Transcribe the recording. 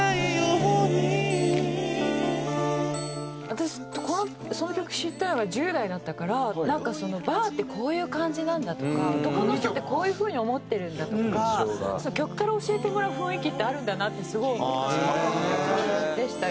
私このその曲知ったのが１０代だったからなんかバーってこういう感じなんだとか男の人ってこういう風に思ってるんだとか曲から教えてもらう雰囲気ってあるんだなってすごい思ったのがこの曲でしたよね。